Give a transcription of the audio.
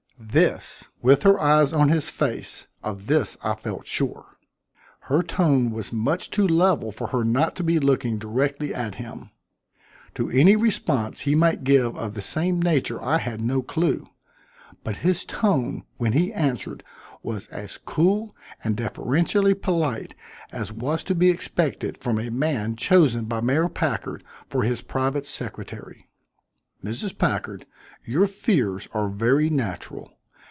This, with her eyes on his face, of this I felt sure. Her tone was much too level for her not to be looking directly at him. To any response he might give of the same nature I had no clue, but his tone when he answered was as cool and deferentially polite as was to be expected from a man chosen by Mayor Packard for his private secretary. "Mrs. Packard, your fears are very natural.